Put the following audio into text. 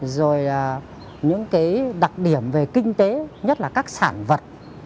rồi những cái đặc điểm về kinh tế nhất là các sản vật